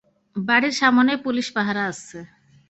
বাড়ির সামনেই পুলিশ পাহারা আছে।